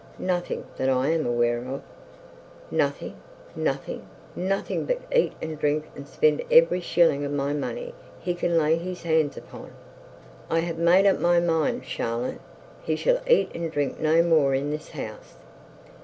'Nothing, that I am aware of.' 'Nothing nothing! Nothing but eat and drink, and spend every shilling of my money he can lay his hands upon. I have made up my mind, Charlotte. He shall eat and drink no more in this house.'